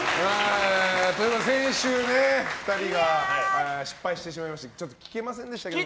先週、２人が失敗してしまいましてちょっと聴けませんでしたけど。